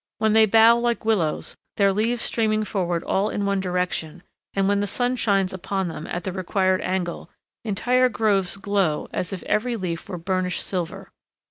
Then they bow like willows, their leaves streaming forward all in one direction, and, when the sun shines upon them at the required angle, entire groves glow as if every leaf were burnished silver.